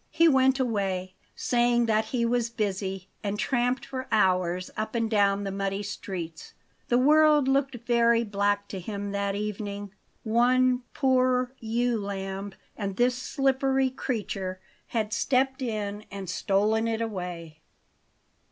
He went away, saying that he was busy, and tramped for hours up and down the muddy streets. The world looked very black to him that evening. One poor ewe lamb and this slippery creature had stepped in and stolen it away.